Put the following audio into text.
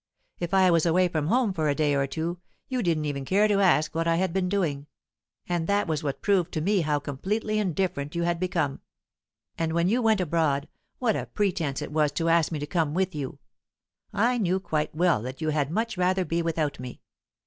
If I was away from home for a day or two, you didn't even care to ask what I had been doing; that was what proved to me how completely indifferent you had become. And when you went abroad, what a pretence it was to ask me to come with you! I knew quite well that you had much rather be without me.